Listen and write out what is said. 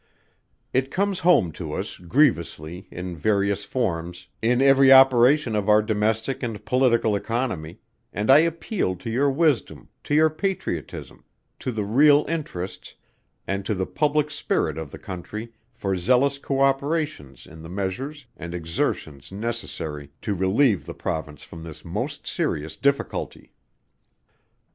It comes home to us, grievously, in various forms, in every operation of our domestic and political economy; and I appeal to your wisdom, to your patriotism, to the real interests, and to the public spirit of the Country for zealous co operations in the measures and exertions necessary to relieve the Province from this most serious difficulty.